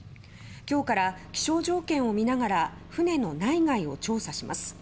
今日から気象条件を見ながら船の内外を調査します。